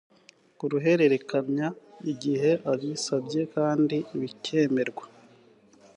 kuruhererekanya igihe abisabye kandi bikemerwa